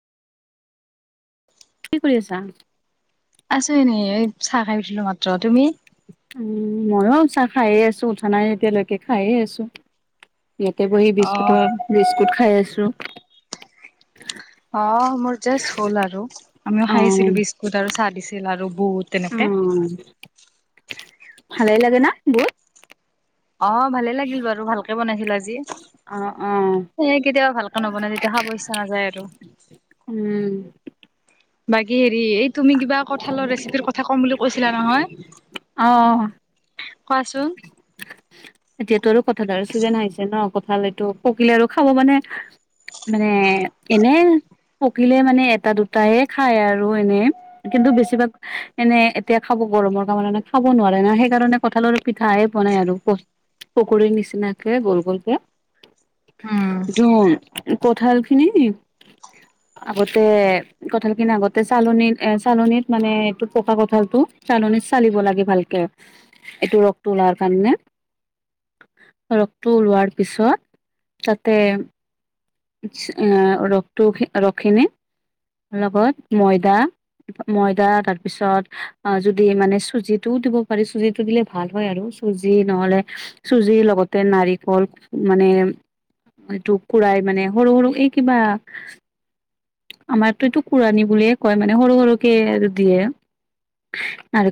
কি কৰি আছা? আছো এনে। এই চাহ খাই উঠিলো মাত্ৰ। তুমি? উম, ময়ো চাহ খায়েই আছোঁ, উঠা নাই এতিয়ালৈকে খায়েই আছোঁ। ইয়াতে বহি অ বিস্কুটৰ বিস্কুট খাই আছোঁ। অ', মোৰ জাষ্ট হ'ল আৰু আমিও খাই আছিলোঁ বিস্কুট আৰু চাহ দিছিল আৰু বুট। তেনেকে উম, ভালেই লাগে নে বোট? অ', ভালে লাগিল বাৰু ভালকে বনাইছিল আজি। অ', অ', সেয়ে কেতিয়াবা ভালকে নবনালে তেতিয়া খাব ইচ্ছা নাযায় আৰু। উম, বাকী হেৰি, এই তুমি কিবা কঁঠালৰ ৰেচিপিৰ কথা কম বুলি কৈছিলা নহয়। অ', কোৱাচোন। এতিয়াটো আৰু কঁঠালৰ চিজন আহিছে ন? কঁঠাল এইটো পকিলে আৰু খাব মানে মানে, এনে পকিলে মানে এটা দুটাই খায় আৰু এনেই কিন্তু বেছিভাগ এনে এতিয়া খাব গৰমৰ কাৰনে খাব নোৱাৰে না, সেইকাৰণে কঁঠালৰ পিঠাই বনাই আৰু প পকৰীৰ নিচিনাকে গুল গুলকৈ, উম ধুন কঁঠালখিনি আগতে কঁঠাল খিনি আগতে চালনিত এ চালনিত মানে এইটো পকা কঁঠালটো চালনিত চালিব লাগে ভালকে, এইটো ৰসটো ওলাবৰ কাৰণে ৰসটো ওলোৱাৰ পিছত তাতে এ ৰসটো, ৰসখিনি লগত ময়দা ময়দা তাৰ পিছত অ, যদি মানে চুজিটো দিব পাৰি, চুজিটো দিলে ভাল হয় আৰু। চুজি নহলে চুজি লগতে নাৰিকল মানে এইটো কুৰাই মানে সৰু সৰু এই কিবা আমাৰতো এইটো কুৰণী বুলিয়ে কয় মানে সৰু সৰুকে এইটো দিয়ে। আৰু